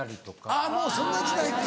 あぁもうそんな時代か。